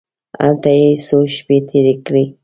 هلته یې څو شپې تېرې کړې.